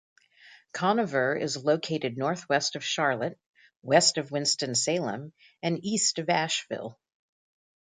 Conover is located northwest of Charlotte, west of Winston-Salem, and east of Asheville.